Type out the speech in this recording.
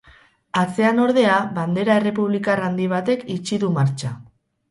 Atzean, ordea, bandera errepublikar handi batek itxi du martxa.